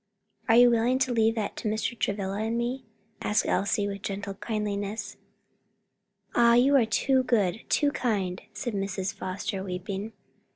"Are you willing to leave that to Mr. Travilla and me?" asked Elsie, with gentle kindliness. "Ah, you are too good, too kind," said Mrs. Foster, weeping.